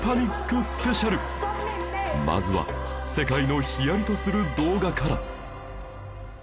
まずは世界のヒヤリとする動画から